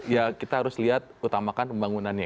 ya kita harus lihat utamakan pembangunannya